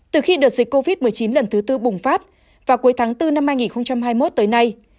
từ khi đợt dịch covid một mươi chín lần thứ tư bùng phát vào cuối tháng bốn năm hai nghìn hai mươi một tới nay